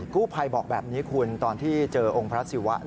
กู้ภัยบอกแบบนี้คุณตอนที่เจอองค์พระศิวะ